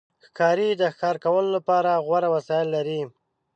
ښکاري د ښکار کولو لپاره غوره وسایل لري.